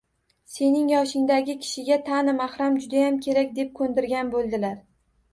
Sening yoshingdagi kishiga tani mahram judayam kerak, deb ko‘ndirgan bo‘ldilar